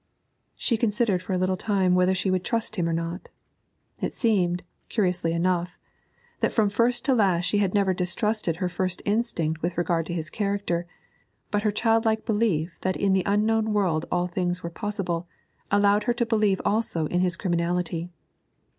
She considered for a little time whether she would trust him or not. It seemed, curiously enough, that from first to last she had never distrusted her first instinct with regard to his character, but that her child like belief that in the unknown world all things were possible, allowed her to believe also in his criminality.